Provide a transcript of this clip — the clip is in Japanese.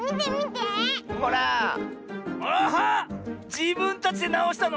じぶんたちでなおしたの？